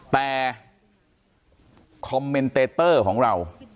แต่คอมเมนเตเตอร์ของเรา